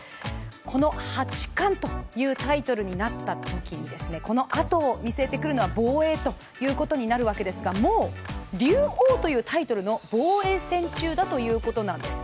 この八冠というタイトルになったときにこのあと見据えてくるのは防衛ということになるわけですが、もう、竜王というタイトルの防衛戦中だということなんです。